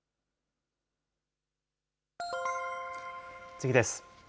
次です。